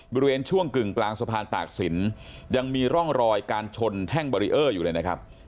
บริเวณช่วงกึ่งกลางสะพานตากศิลป์ยังมีร่องรอยการชนแท่งบารีเออร์อยู่เลยนะครับ